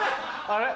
あれ？